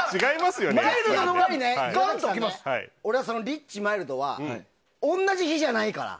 リッチ、マイルドはおんなじ日じゃないから。